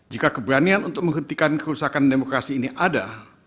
jika keberanian untuk menghentikan kerusakan demokrasi ini ada